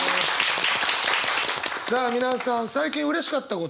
さあ皆さん最近うれしかったこと。